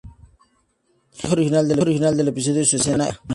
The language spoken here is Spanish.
En el montaje original del episodio, su escena era más larga.